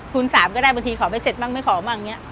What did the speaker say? คูณ๓ก็ได้บางทีขอไม่เสร็จบ้างไม่ขอบ้าง